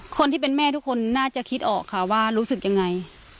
คนที่เป็นแม่ทุกคนน่าจะคิดออกค่ะว่ารู้สึกยังไง